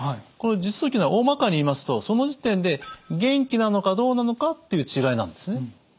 実と虚はおおまかに言いますとその時点で元気なのかどうなのかっていう違いなんですね。